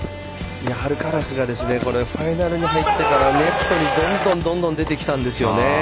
アルカラスがファイナルに入ってからネットにどんどん出てきたんですよね。